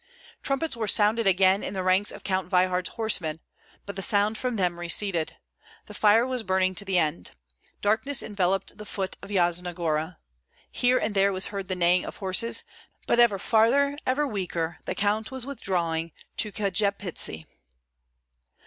Trumpets were sounded again in the ranks of Count Veyhard's horsemen; but the sound from them receded. The fire was burning to the end. Darkness enveloped the foot of Yasna Gora. Here and there was heard the neighing of horses; but ever farther, ever weaker, the Count was withdrawing to Kjepitsi.